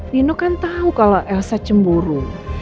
nino kan tau kalo elsa cemburu